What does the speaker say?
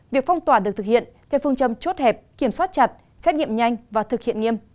việc phong tỏa được thực hiện theo phương châm chốt hẹp kiểm soát chặt xét nghiệm nhanh và thực hiện nghiêm